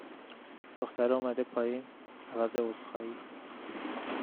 دخترِ اومده پایین، عوض عذر خواهی،